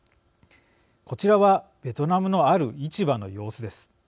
こちらはベトナムのある市場の様子です。